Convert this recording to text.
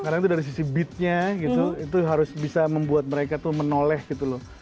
karena itu dari sisi beatnya gitu itu harus bisa membuat mereka tuh menoleh gitu loh